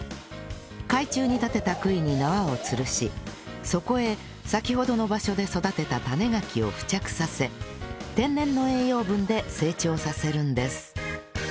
海中に建てた杭に縄を吊しそこへ先ほどの場所で育てた種ガキを付着させ天然の栄養分で成長させるんです